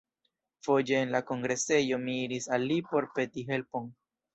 Foje en la kongresejo mi iris al li por peti helpon.